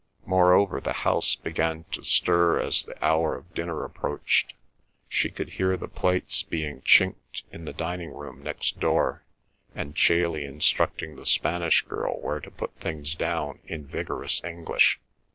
Moreover, the house began to stir as the hour of dinner approached; she could hear the plates being chinked in the dining room next door, and Chailey instructing the Spanish girl where to put things down in vigorous English.